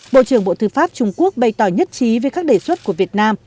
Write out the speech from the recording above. bộ trưởng bộ tư pháp trung quốc bày tỏ nhất trí về các đề xuất của việt nam